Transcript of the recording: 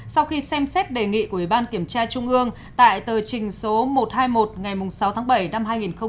sau khi xem xét đề nghị của ủy ban kiểm tra trung ương tại tờ trình số một trăm hai mươi một ngày sáu tháng bảy năm hai nghìn một mươi chín